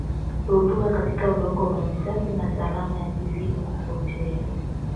Rutuba katika udongo maji safi na salama yakizidi kupotea